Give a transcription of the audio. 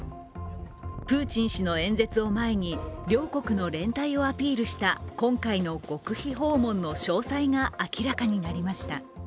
プーチン氏の演説を前に両国の連帯をアピールした今回の極秘訪問の詳細が明らかになりました。